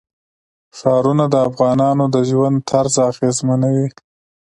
ښارونه د افغانانو د ژوند طرز اغېزمنوي.